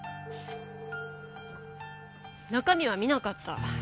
中身は見なかった。